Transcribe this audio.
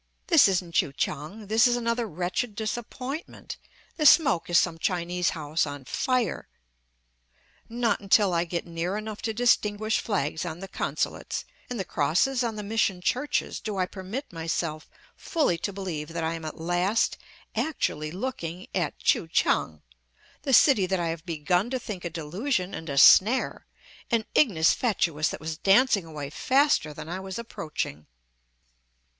this isn't Kui kiang; this is another wretched disappointment, the smoke is some Chinese house on fire! Not until I get near enough to distinguish flags on the consulates, and the crosses on the mission churches, do I permit myself fully to believe that I am at last actually looking at Kui kiang, the city that I have begun to think a delusion and a snare, an ignis fatuus that was dancing away faster than I was approaching.